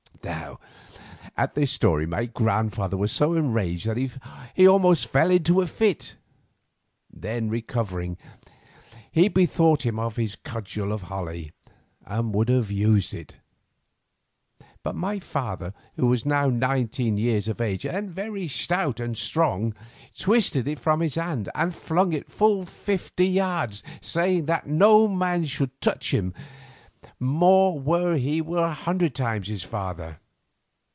Now at this story my grandfather was so enraged that he almost fell into a fit; then recovering, he bethought him of his cudgel of holly, and would have used it. But my father, who was now nineteen years of age and very stout and strong, twisted it from his hand and flung it full fifty yards, saying that no man should touch him more were he a hundred times his father.